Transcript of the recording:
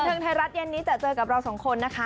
บรรเทิงไทยรัฐเย็นนี้จะเจอกับเรา๒คนนะคะ